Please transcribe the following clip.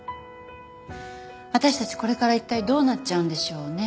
私たちこれから一体どうなっちゃうんでしょうね。